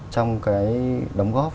trong cái đồng góp